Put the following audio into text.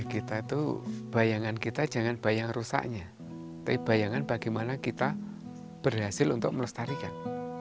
kita itu bayangan kita jangan bayang rusaknya tapi bayangan bagaimana kita berhasil untuk melestarikan